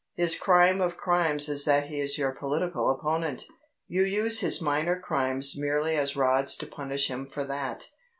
His crime of crimes is that he is your political opponent you use his minor crimes merely as rods to punish him for that.